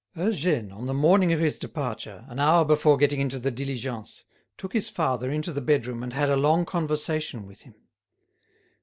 Eugène, on the morning of his departure, an hour before getting into the diligence, took his father into the bedroom and had a long conversation with him.